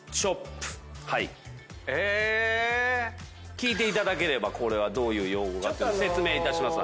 聞いていただければこれはどういう用語か説明いたします。